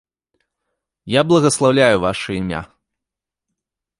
Я благаслаўляю ваша імя.